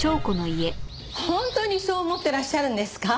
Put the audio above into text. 本当にそう思ってらっしゃるんですか？